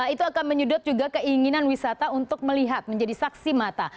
itu akan menyedot juga keinginan wisata untuk melihat menjadi saksi mata